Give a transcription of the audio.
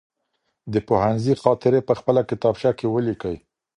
د پوهنځي خاطرې په خپله کتابچه کي ولیکئ.